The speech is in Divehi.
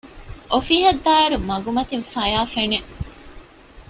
އޮފީހަށް ދާއިރު މަގުމަތިން ފަޔާ ފެނެ